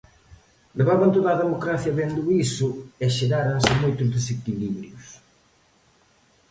Levaban toda a democracia vendo iso e xeráranse moitos desequilibrios.